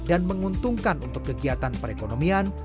dan menguntungkan untuk kegiatan perekonomian